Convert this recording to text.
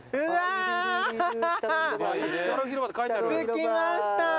着きました。